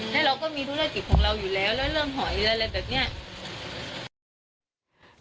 แล้วเราก็มีธุรกิจของเราอยู่แล้วแล้วเรื่องหอยอะไรแบบนี้